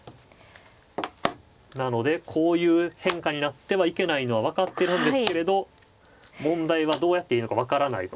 なのでこういう変化になってはいけないのは分かってるんですけれど問題はどうやっていいのか分からないと。